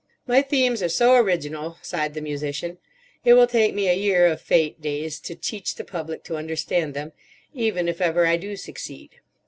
"My themes are so original," sighed the Musician. "It will take me a year of fête days to teach the public to understand them, even if ever I do succeed.